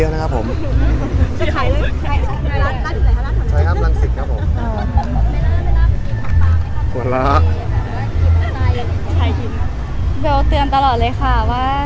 เริ่มเมื่อยค่ะ